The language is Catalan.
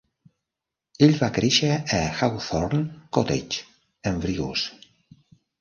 Ell va créixer a Hawthorne Cottage, en Brigus.